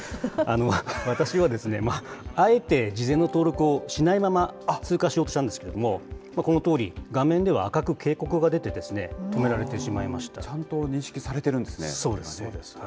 私はあえて事前の登録をしないまま、通過しようとしたんですけれども、このとおり画面では赤く警告が出て、止められてしまいちゃんと認識されてるんですそうです。